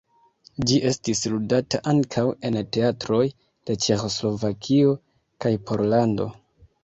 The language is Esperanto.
Ĝi estis ludata ankaŭ en teatroj de ĉeĥoslovakio kaj Pollando.